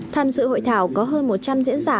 tham dự hội thảo có hơn một trăm linh diễn giả